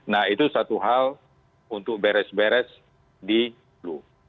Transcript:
nah itu satu hal untuk beres beres di flu